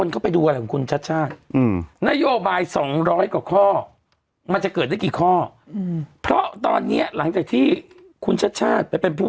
คำถามพับบาร์ไอ้พวกพับมันเปิดมาสักระยะแล้ว